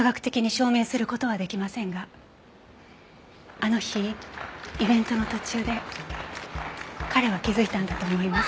あの日イベントの途中で彼は気づいたんだと思います。